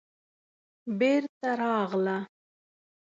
بېرته راغله.